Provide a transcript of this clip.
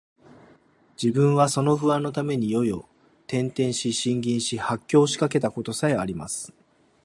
自分はその不安のために夜々、転輾し、呻吟し、発狂しかけた事さえあります